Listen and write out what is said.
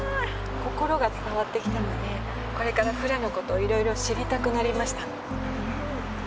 心が伝わってきたのでこれからフラのことをいろいろ知りたくなりました。